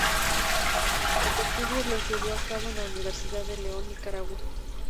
Sus estudios los llevó a cabo en la Universidad de León, Nicaragua.